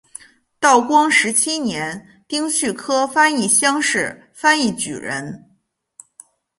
道光十七年丁酉科翻译乡试翻译举人。